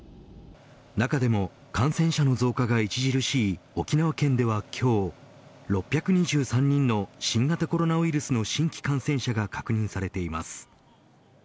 中でも感染者の増加が著しい沖縄県では今日、６２３人の新型コロナウイルスの新規感染者が確認されています。